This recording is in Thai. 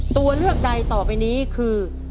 ตัวเลือกใดต่อไปนี้คือ